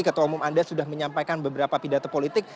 ketua umum anda sudah menyampaikan beberapa pidato politik